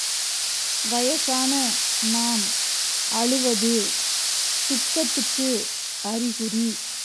வயசான நாம் அழுவது துக்கத்துக்கு அறிகுறி.